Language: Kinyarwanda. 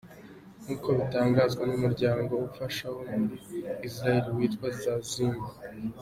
Nk’uko bitangazwa n’umuryango ufasha wo muri Israel witwa Zazim.